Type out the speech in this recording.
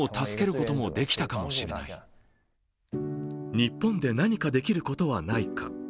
日本で何かできることはないか。